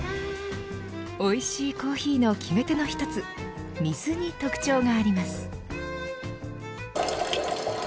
おいしいコーヒーの決め手の一つ水に特徴があります。